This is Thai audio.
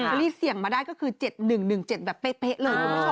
ที่เสี่ยงมาได้ก็คือ๗๑๑๗แบบเป๊ะเลยคุณผู้ชม